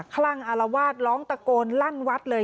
ลั่งอารวาสร้องตะโกนลั่นวัดเลย